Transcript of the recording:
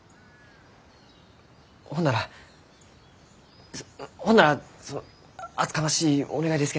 ほんならほんならその厚かましいお願いです